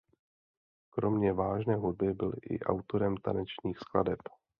Kromě vážné hudby byl i autorem tanečních skladeb.